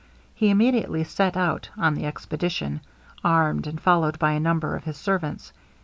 He immediately set out on the expedition, armed, and followed by a number of his servants.